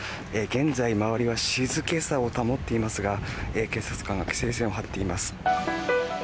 現在、周りは静けさを保っていますが警察官が規制線を張っています。